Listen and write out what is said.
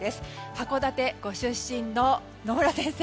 函館ご出身の野村先生